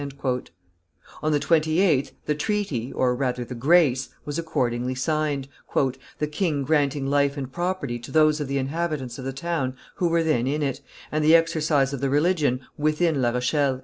On the 28th the treaty, or rather the grace, was accordingly signed, "the king granting life and property to those of the inhabitants of the town who were then in it, and the exercise of the religion within La Rochelle."